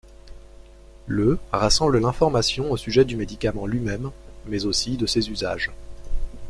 Le rassemble l'information au sujet du médicament lui-même mais aussi de ses usages.